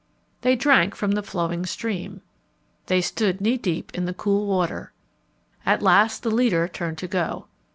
They drank from the flowing stream. They stood knee deep in the cool water. At last the leader turned to go.